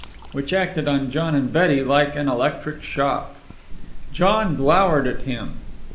which acted on John and Betty like an electric shock. John glowered at him.